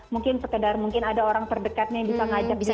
mungkin sekedar mungkin ada orang terdekatnya yang bisa ngajak bisa